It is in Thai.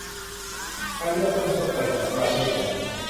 การเลือกตั้งทั่วไปของประเทศไทย